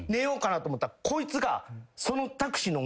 こいつが。